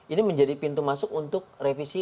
ini menjadi pintu masuk untuk revisi